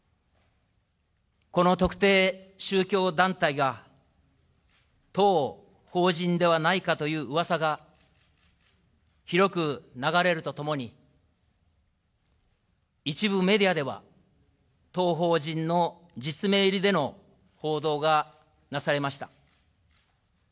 この特定宗教団体が、当法人ではないかといううわさが広く流れるとともに、一部メディアでは、当法人の実名入りでの報道がなされました。